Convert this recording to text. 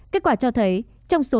kết quả cho thấy trong số